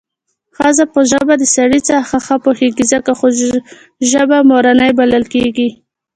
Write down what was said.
ښځه په ژبه د سړي څخه ښه پوهېږي څکه خو ژبه مورنۍ بلل کېږي